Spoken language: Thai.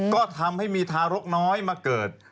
ก็ทำให้มีทารกน้อยมาเกิด